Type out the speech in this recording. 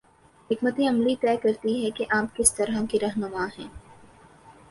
حکمت عملی طے کرتی ہے کہ آپ کس سطح کے رہنما ہیں۔